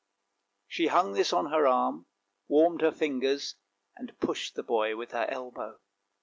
She hung this on her arm, warmed her fingers, and pushed the boy with her elbow.